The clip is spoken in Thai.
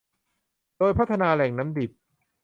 โดยพัฒนาแหล่งน้ำดิบ